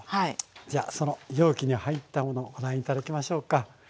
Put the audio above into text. じゃあその容器に入ったものご覧頂きましょうか。